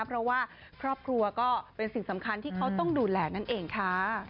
เพราะว่าครอบครัวก็เป็นสิ่งสำคัญที่เขาต้องดูแลนั่นเองค่ะ